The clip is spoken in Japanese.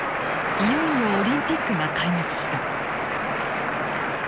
いよいよオリンピックが開幕した。